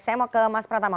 saya mau ke mas pratama